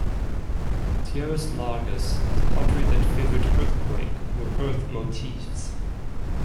Tierras Largas had pottery that favored earthquake, or earth, motifs.